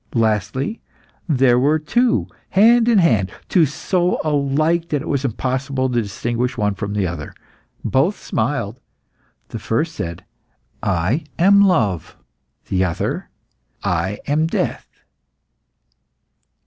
Lastly, there were two, hand in hand; two so alike that it was impossible to distinguish one from the other. Both smiled. The first said, 'I am love.' The other, 'I am death.